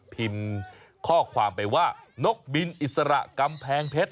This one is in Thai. พิมพ์ข้อความไปว่านกบินอิสระกำแพงเพชร